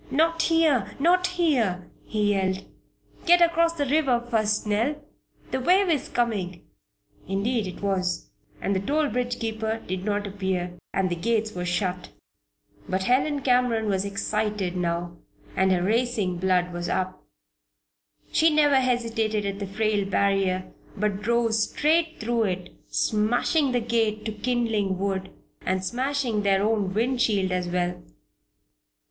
"Not here! Not here!" he yelled. "Get across the river first, Nell! That wave is coming!" Indeed it was. And the toll bridge keeper did not appear, and the gates were shut. But Helen Cameron was excited now and her racing blood was up. She never hesitated at the frail barrier, but drove straight through it, smashing the gate to kindling wood, and smashing their own wind shield as well.